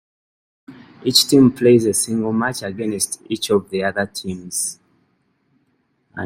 Each team plays a single match against each of the other teams.